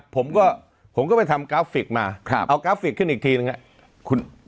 ผมก็ผมก็ไปทำกราฟิกมาเอากราฟิกขึ้นอีกทีหนึ่งครับ